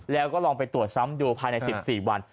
แล้วก็ลองไปตรวจซ้ำดูภายใน๑๔วัน